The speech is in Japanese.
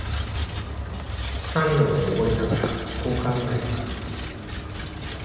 山路を登りながら、こう考えた。